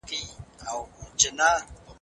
مامور د ده خبرې واورېدې.